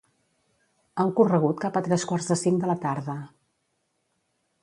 Ha ocorregut cap a tres quarts de cinc de la tarda.